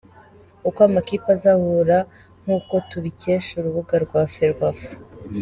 Uko amakipe azahura nk’uko tubikesha urubuga rwa Ferwafa.